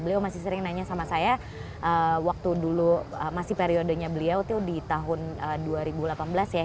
beliau masih sering nanya sama saya waktu dulu masih periodenya beliau itu di tahun dua ribu delapan belas ya